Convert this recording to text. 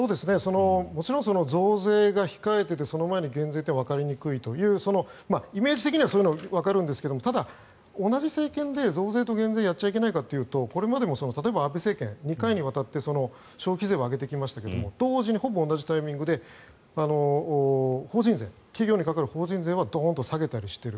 もちろん増税が控えていてその前に減税というのはわかりにくいというイメージ的にはそういうのもわかるんですがただ、同じ政権で増税と減税をやっちゃいけないかというとこれまでも例えば、安倍政権２回にわたって消費税を上げてきましたが同時にほぼ同じタイミングで法人税、企業にかかる法人税はドンと下げたりしている。